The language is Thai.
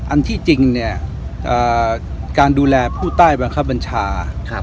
อันที่จริงเนี่ยการดูแลผู้ใต้บังคับบัญชา